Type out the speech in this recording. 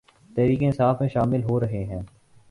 تحریک انصاف میں شامل ہورہےہیں